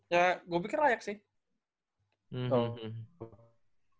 ya gue pikir layak sih